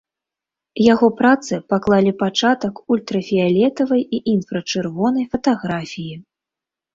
Яго працы паклалі пачатак ультрафіялетавай і інфрачырвонай фатаграфіі.